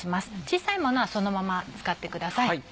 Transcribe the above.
小さいものはそのまま使ってください。